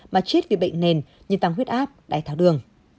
mà chết vì bệnh nền như tăng huyết áp đáy tháo đường